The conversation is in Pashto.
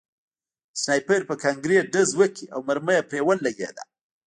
سنایپر په کانکریټ ډز وکړ او مرمۍ پرې ولګېده